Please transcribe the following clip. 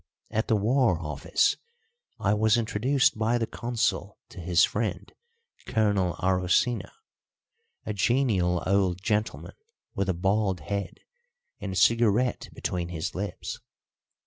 At the War Office I was introduced by the Consul to his friend, Colonel Arocena, a genial old gentleman with a bald head and a cigarette between his lips.